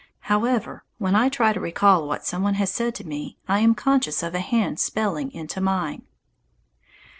However, when I try to recall what some one has said to me, I am conscious of a hand spelling into mine.